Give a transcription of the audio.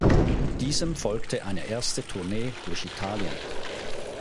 Diesem folgte eine erste Tournee durch Italien.